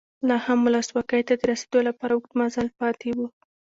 لا هم ولسواکۍ ته د رسېدو لپاره اوږد مزل پاتې و.